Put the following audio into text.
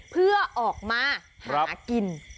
เพื่อออกมาหากิน